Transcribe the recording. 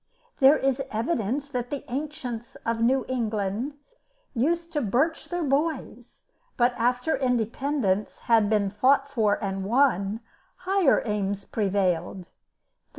There is evidence that the ancients of New England used to birch their boys, but after independence had been fought for and won, higher aims prevailed.